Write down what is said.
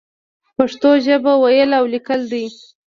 پښتو ژبه ويل او ليکل دې.